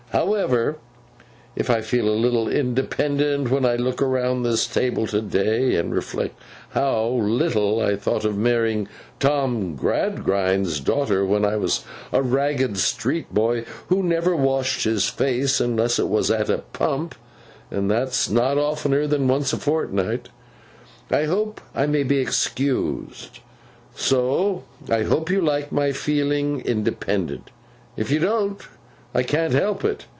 However, if I feel a little independent when I look around this table to day, and reflect how little I thought of marrying Tom Gradgrind's daughter when I was a ragged street boy, who never washed his face unless it was at a pump, and that not oftener than once a fortnight, I hope I may be excused. So, I hope you like my feeling independent; if you don't, I can't help it.